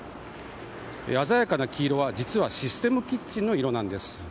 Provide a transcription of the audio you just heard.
鮮やかな黄色は実はシステムキッチンの色なんです。